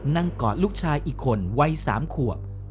กอดลูกชายอีกคนวัย๓ขวบ